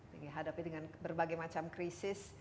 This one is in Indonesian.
dihadapi dengan berbagai macam krisis